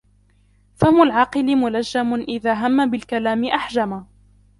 فَمُ الْعَاقِلِ مُلَجَّمٌ إذَا هَمَّ بِالْكَلَامِ أَحْجَمَ